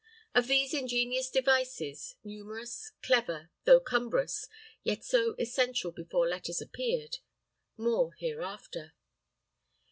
Of these ingenious devices, numerous, clever, though cumbrous, yet so essential before letters appeared, more hereafter.